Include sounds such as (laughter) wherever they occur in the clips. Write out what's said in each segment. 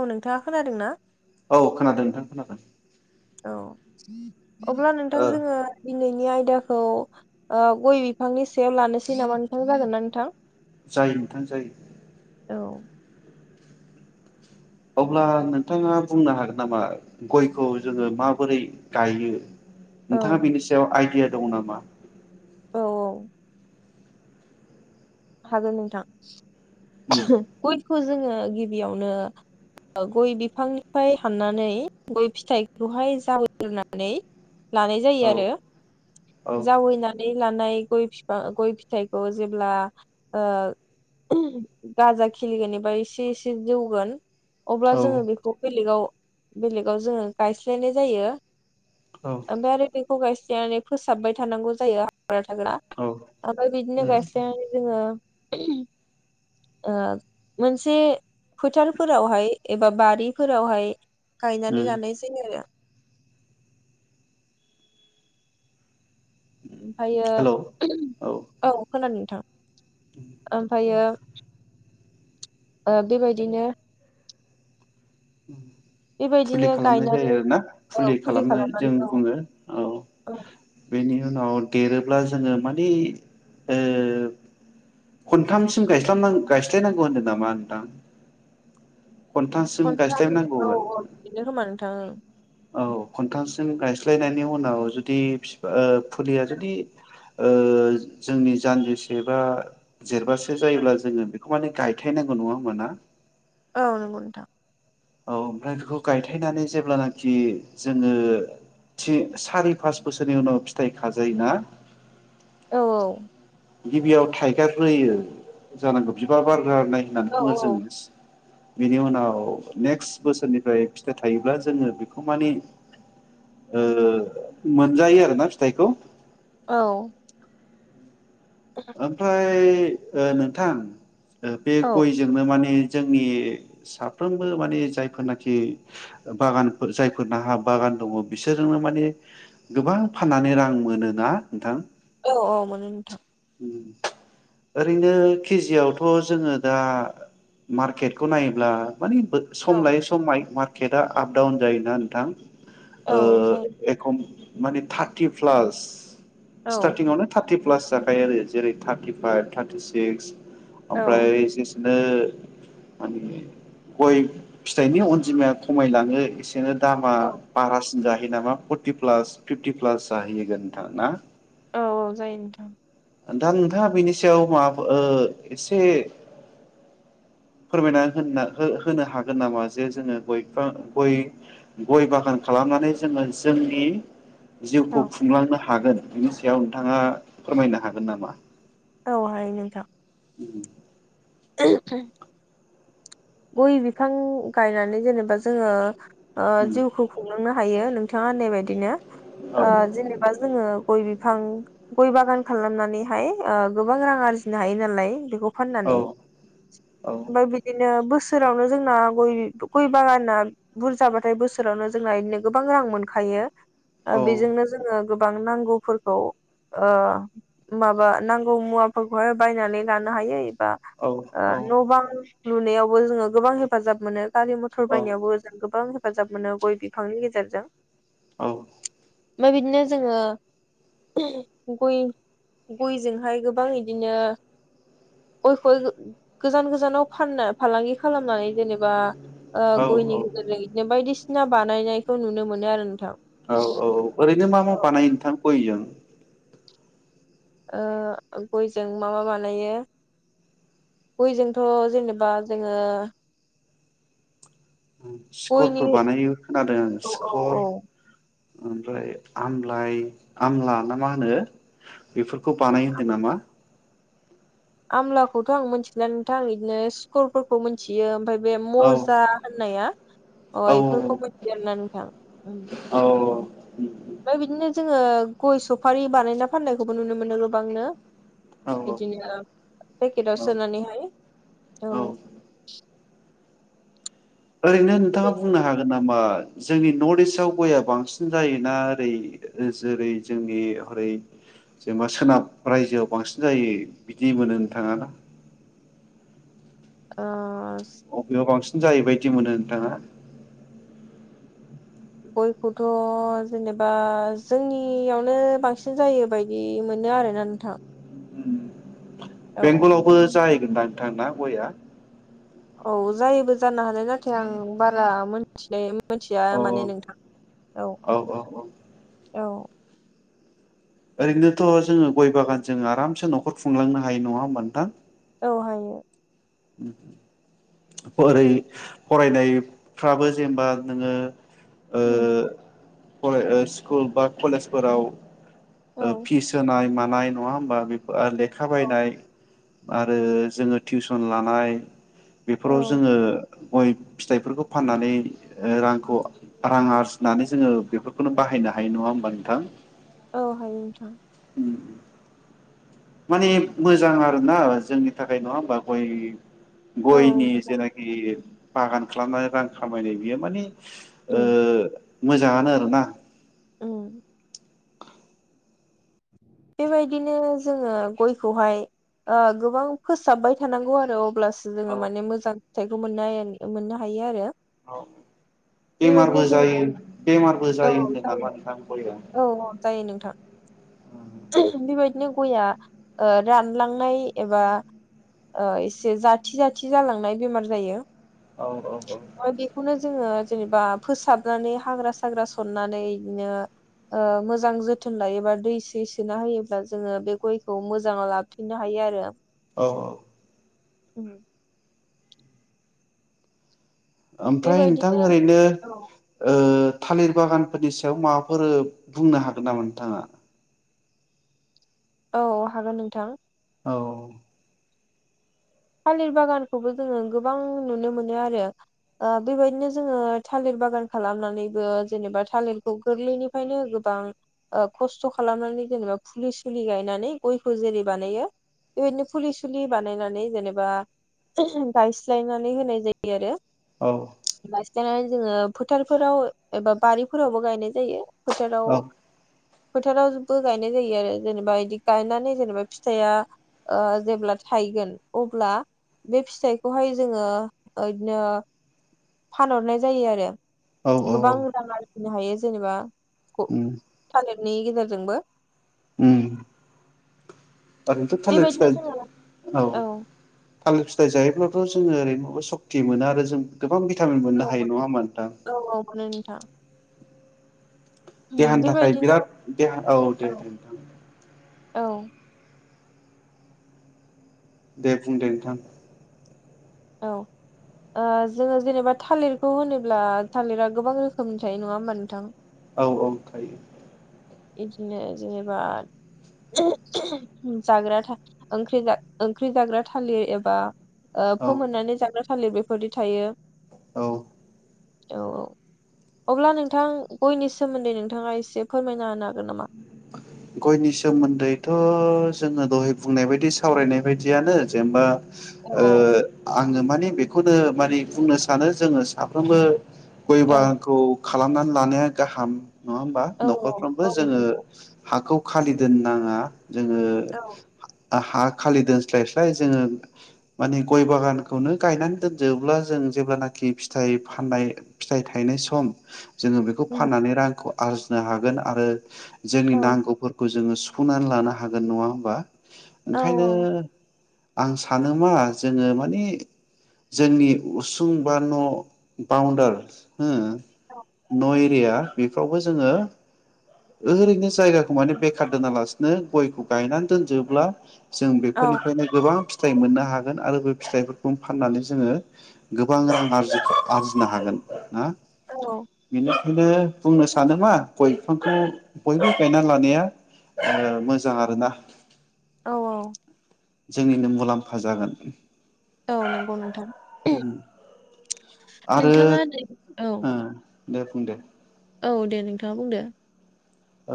औ नोंथाङा खोनादों ना? औ खोनादों नोंथां। औ। अब्ला नोंथां ओ जोङो दिनैनि आइ दाखौ ओ गय बिफांनि सायाव लानोसै नामा नोंथां जागोन ना नोंथां। जायो नोंथां जायो। औ। अब्ला नोंथाङा बुंनो हागोन नामा गयखौ जोङो माबोरै गायो? औ नोंथाङा बेनि सायाव आइडिया दं नामा? औ औ। हागोन नोंथां। उम गय खौ जोङो गिबियावनो गय बिफांनिफ्राय हाननानै गय फिथाइखौहाय जावायग्रोनानै लानाय जायो औ आरो औ जावैना नै लानाय गय बिफा गय फिथाइखौ जेब्ला ओ गाजा खिलिगोन एबा एसे एसे जौगोन अब्ला औ जोङो बेखौ बेलेगाव बेलेगाव जोङो गायस्लायनाय जायो। औ ओमफाय आरो बे खौ गायस्लायनानै फोसाबबाय थानांगौ जायो हाग्रा थाग्रा औ ओमफ्राय बिदिनो उम गायस्लायनानै जोङो मोनसे ओ फोथारफोरावहाय एबा बारिफोरावहाय उम गायनानै लानाय आरो। ओमफायो हेलौ औ खोनादो नोंथां ओमफायो ओ बेबायदिनो फुलि बेबायदिनो खालामनाय जायो गायनानै आरो ना औ फुलि खालामनाय जों खालामनानै औ बुङो औ बेनि उनाव देरोब्ला जोङो माने ओ खनथामसिम गायस्लाम नां गायस्लायनांगौ होनदो नामा नोंथां। खनथामसिम खन्थाम गायस्लायनांगौ औ होन औ बिदिनो खामानो। नोथां ओं। औ खन्थामसिम गायस्लायनायनि उनाव जुदि फि ओ। फुलिया जुदि ओ जोंनि जान्जिसे बा जेरबासे जायोब्ला जोङो खौ माने गायथाय नांगौ नङा होमबा ना? औ नंगौ नोंथां औ ओमफ्राय बेखौ गायथायनानै जेब्लानाखि जोङो थि सारि पास बोसोरनि उनाव फिथाइ खाजायो ना औ औ गिबियाव थाइगार होयो जानांगौ बिबार बार गोरनाय होननानै औ बुङो जोङो बिनि उनाव नेक्स्ट बोसोरनिफ्राय फिथाइ थायोब्ला जोङो बेखौ माने ओ मोनजायो आरोना फिथाइखौ औ ओमफ्राय ओ नोंथां ओ बे औ गयजोंनो माने जोंनि साफ्रोमबो माने जायफोरनाखि बागानफोर जायफोरना हा बागान दङ बिसोरजोंनो माने गोबां फाननानै रां मोनो ना नोंथां औ औ मोनो नोंथां ओरैनो केजियावथ' जोङो दा मार्केटखौ नायोब्ला मानि बो औ सम लायो समाय मार केटआ आप डाउन जायोना नोंथां ओ औ जायो एखम माने थार्टि प्लास औ स्थारथिं आवनो टारति प्लास जाखायो आरो जेरै थारटिफाइभ थार्टि सिक्स औ ओमफ्राय जेसे नो मोने गय फिथाइनि अनजिमाया खमायलाङो एसे बिदिनो दामा औ बारासिन जाहैयो नामा फरटि प्लास फिफटि प्लास जाहैगोन नोंथां ना? औ औ जायो नोंथां दा नोंथाङा बिनि सायाव माबा ओ एसे फोरमायना होन होनो हागोन नामा जे जोङो गयफां गय गय बागान खालामनानै जोङो जोंनि जिउखौ औ खुंलांनो हा हागोन बिनि सायाव नोंथाङा फोरमायनो हागोन नामा? औ हायो नोंथां (inaudible) गय बिफां गायनानै जेनेबा जोङो ओ जिउखौ खुंलांनो हायो नोंथाङा होननायबायदिनो औ ओ जेनेबा जोङो गय बिफां गय बागान खालामनानैहाय ओ गोबां रां आरजिनो हायो नालाय। (unintelligible) औ फाननानै औ बा बिदिनो बोसोरावनो जोंना गय-गय बागाना बुरजाबाथाय बोसोरावनो जोंना इदिनो गोबां रां मोनखायो ओ औ बेजोंनो जोङो गोबां नांगौफोरखौ ओ माबा नांगौ मुवाफोरखौहाय बायनानै लानो हायो एबा औ ओ न-बां लुनायावबो जोङो गोबां हेफाजाब मोनो। गारि मथर बायनायावबो जों गोबां हेफाजाब मोनो गय बिफांनि गेजेरजों। औ ओमफ्राय बिदिनो जोङो गय गयजोंहाय गोबां इदिनो गयखौ गोजान गोजानाव फाननो फालांगि खालामनानै जेनेबा ओ औ गयनि गेजेरजों इदिनो बायदिसिना ना बानायनायखौ नुनो मोनो आरो नोंथां। औ-औ ओरैनो मा मा ओ बानायो नोंथां गयजों। ओ गयजों मा मा बानायो गयजोंथ जेनेबा जोङो गयनि सिखरफोर बानायो खोनादों आंङो औ सिखर औ ओमफ्राय आमलाइ आमला ना मा होनो बेफोर बानायो होनदों नामा । आमलाखौथ आं मिथिनानै नोंथां आं इदिनो सुखरफोरखौ मिथियो ओमफ्राय बे औ मजा होननाया अ औ औ इफोरखौ मिथियो नोंथां। उम ओमफ्राय बिदिनो जोङो गय सफारि बानायना फाननायखौबो नुनो मोनो गोबांनो। औ इदिनो पेकेटाव औ सोनानैहाय औ। ओरैनो ओ नोंथाङा बुंनो हागोन नामा। जोंनि नर्थ इस्टव गया बांसिन जाय ना ओरै जेरै जोंनि हरै जेनेबा सोनाब रायजोआव बांसिन जायो बिदि मोनो नोंथाङा ना। ओ अबेआव बांसिन जायैबायदि मोनो नोंथाङा। गयखौथ जेनेबा जोंनियावनो बांसिन जायो बायदि मोनो आरोना नोंथां। बेंगलावबो जाय होनबा नांथांना गया। औ जायोबो जानो हानाय नाथाय आं बारा मोनथिनाय मिथिया अ औ माने नोंथां औ औ औ-औ ओरैनोथ' जोङो गय बागानजों आरामसे नखर खुंलांनो हायो नङा होनबा नोंथां । औ हायो। (inaudible) ओरै फरायनायफ्राबो जेनेबा नोङो। ओ उम खले ओ स्कुल बा कलेजफोराव ओ औ फिस होनाय मान नङा हा बेफोर लेखा औ बायनाय आरो जोङो टिउसन लानाय बेफोराव जोङो गय फिथाइफोरखौ फाननानै ओ रांखौ रां आरजिनानै जोङो बेफोरखौनो बाहायनो हायो नङा होमबा नोंथां औहायो नोंथां ओम माने मोजां आरोना जोंनि थाखाय नङा होमबा गय औ गयनि मोजां जेनेखि बागान खालामनानै रां खामायनाय बियो माने ओ उम मोजाङानो आरोना औ बेबायदिनो जोङो गयखौहाय ओ गोबां फोसाबबाय थानांगौ आरो अब्लासो औ जोङो माने मोजां फिथाइखौ मोन मोननो हायो आरो औ बेबायदिनो बेमारबो जोङो जायो बेमारबो जायो होनदों नामा नोंथां गया? औ औ जायो नोंथां बेबायदिनो गयआ रानलांनाय एबा एसे जाथि जाथि जालांनाय बेमार जायो। औ औ बेखौनो जोङो जेनेबा फोसाबनानै हाग्रा साग्रा सननानै बिदिनो ओ मोजां जोथोन लायोबा दै सै सोना होयोब्ला जोङो बे गयखौ मोजाङाव लाबोफिननो हायो आरो औ औ ओम ओमफ्राय नोंथां बेबायदिनो ओरैनो औ ओ थालिर बागानफोरनि सायाव माबाफोर बुंनो हागोन नामा नोंथाङा औ हागोन नोंथां औ थालिर बागानखौबो जोङो गोबां नुनो मोनो आरो ओ बेबायदिनो जोङो थालिर बागान खालामनानैबो जेनेबा थालिरखौ गोरलैनिफ्रायनो गोबां खस्थ' खालामनानै जेनेबा फुलि सुलि गायनानै गयखौ जेरै बानायो बेबायदिनो फुलि सुलि बानायनानै जेनेबा गायस्लायनानै होनाय जायो आरो औ जान जोङो फोथारफोराव एबा बारिफोरावबो गायनाय जायो फोथाराव औ फोथारावबो गायनाय जायो आरो जेनेबा बिदि गायनानै जेनेबा फिथाइया ओ जेब्ला थायगोन अब्ला बे फिथाइखौहाय जोङो ओ ओदिनो फानहरनाय जायो आरो औ औ गोबां रां जिनो हायो जेनेबा थ उम थालेर नि गेजेरजोंबो ओम ओरैनोथ' थालिर बेबायदिनो जोङो फिथाय औ थालिर फिथाइ जायोब्लाथ' जोङो ओरैनोबा सक्ति मोनो आरो जों गोबां भिटामिन मोननो हायो नङा होनबा नोंथां था देहानि थाखाय बेबायदिनो बिराद देहा औ दे दे नोंथां औ दे बुंदे नोंथां औ ओ जोङो जेनेबा थालिरखौ होनोब्ला थालिरा गोबां रोखोमनि थायो नङा होमबा नोंथां औ औ थायो बिदिनो जेनेबा जाग्रा था ओंख्रि जा ओंख्रि जाग्रा थालिर एबा ओ औ फोमोननानै जाग्रा थालिर बेफोरदि थायो औ औ औ अब्ला नोंथां गयनि सोमोन्दै नोंथाङा एसे फोरमाय ना होनो हागोन‌ नामा गयनि सोमोन्दै थ' जोङो दहाय बुंनाय बायदि सावरायनाय बायदियानो जेनेबा औ ओ औ आङो माने बेखौनो माने बुंनो सानो जोङो साफ्रोमबो गय ओं बागानखौ खालामनानै लानाया गाहाम नङा होमबा औ न'खरफ्रोमबो औ जोङो नंगौ हाखौ खालि दोननाङा जोङो औ हा खालि दोनस्लायस्लाय जोङो माने गय बागानखौनो गायनानै दोनजोबब्ला जों जेब्लानाखि फिथाइ फाननाय फिथाइ थायनाय सम जोङो बेखौ उम फाननानै रांखौ आरजिनो हागोन आरो जोंनि औ नांगौफोरखौ जोङो सु सुफुंनानै लानो हागोन नङा होमबा औ ओंखायनो आं सान मा जोङो मानि जोंनि उसुं बा न' बाउणडार ओ नय हैया बेफोरावबो जोङो ओरैनो जायगाखौ माने बेखार दोनालासिनो गयखौ गायनानै दोनजोब्ला जों औ बेफोरनिफ्रायनो गोबां फिथ थाइ मोननो हागोन आरो बे फिथाइफोरखौनो फाननानै जोङो गोबां रां आरजि आरजिनो हागोन ना? औ बिनो इदिनो बुंनो सानो बा गय बिफांखौ बयबो गायना लानाया ओ मोजां आरोना औ औ जोंनिनो मुलाम्फा जागोन। औ नोंगौ नोंथां उम नोंथाङा ने औ (unintelligible) नो बुंदो औ दे नोंथाङा बुंदो?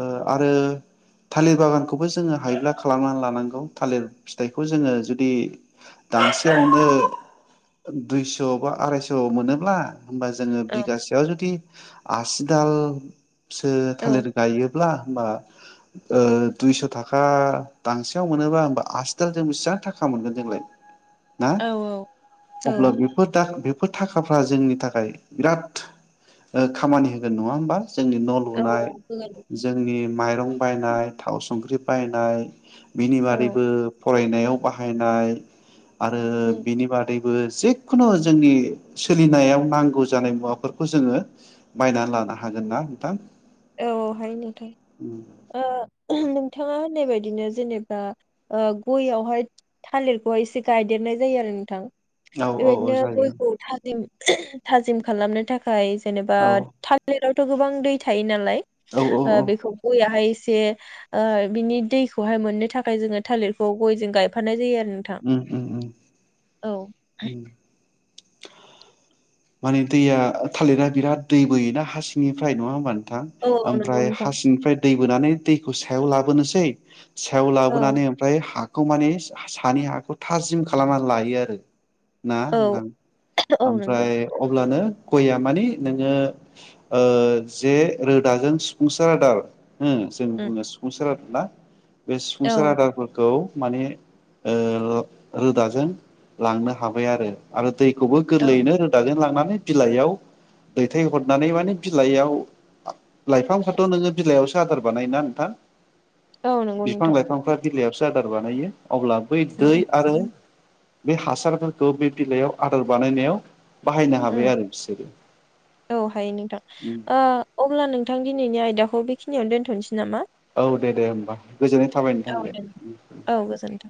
ओ आरो थालिर बागानखौबो जोङो हायोब्ला खालामनानै लानांगौ थालिर फिथाइखौ जोङो जुदि दांसेयावनो ओ दुइस' बा आरायस'आव मोनोब्ला होमबा जोङो औ बिगासेयाव जुदि आसिदाल सो औ थालिर गायोब्ला होमबा ओ दुइस' थाखा दांसेयाव मोनोबा होमबा आसिदालजों बिसेबां थाखा मोनगोन जोंलाय ना औ अब्ला बेफोर दा बेफ फोर थाखाफ्रा जोंनि थाखाय बिराद ओ खामानि होगोन नङा होमबा? जोंनि न' औ लुनाय जोंनिम माइरं बायनाय थाव सुंख्रि बायनाय बिनिबादैबो फरायनायाव बाहायनाय आरो औ बिनिबादै बो जेखुनु जोंनि सोलिनायाव नांगौ जानाय मुवाफोरखौ जोङो बायनानै लानो हागोन ना नोंथां? औ औ हायो नोंथां ओ (unintelligible) नोंथ थाङा होननाय बायदिनो जेनेबा ओ गय आवहाय थालिरखौहाय एसे गायदेरनाय जायो आरो नोंथां। औ औ औ बेबायदिनो जायो गयखौ थाजिम (unintelligible) थाजिम खालामनो थाख खाय जेनेबा औ थालिराव थ' गोबां दै था थायो नालाय औ औ ओ बेखौ गयाहाय स जे ओ बिनि दैखौहाय मोननो थाखाय जोङो थालिरखौ गयजों गायफानाय जायो आरो उम उम उम नोंथां उम माने दैया ओ थालिरा बिराद दै बोयोना हा सिंनिफ्राय नङा होनबा नोंथ थां औ औ नंगौ ओमफ्राय नोंथां हा सिंनिफ्राय दै बोनानै दैखौ सायाव लाबोनोसै सायाव औ लाबोनानै ओमफ्राय हा खौ माने सानि हाखौ थाजिम खालामना लायो आरो ना औ ओं औ नंगौ ओमफ्राय (unintelligible) माने नोङो ओ जे रोदाजों सफुंसार आदार हो जों उम बुङो सफुंसार आदार ना बे औ सफुंसार आदारफोरखौ माने ओ रोदाजों लांनो हाबाय आरो आरो दै खौबो औ गोरलैयैनो लांनानै बिलाइयाव दैथाय हरनानै माने बिलाइयाव लाइफांफ्राथ नोङो बिलाइआवसो आदार बानायो ना नोंथां औ नंगौ नोंथां बिलायावसो आदार बानायो अब्ला बै दै औ आरो बे हासारफोरखौ बे बिलाइयाव आदार बानायनायाव बाहायनो हाबाय उम आरो बिसोरो औ हायो नोंथां ओ अब्ला नोंथां दिनैनि आयदाखौ खिनियावनो दोनथनोसै नामा? औ दे दे होमबा गोजोननाय थाबाय नोंथां दे औ गोजोन्थों।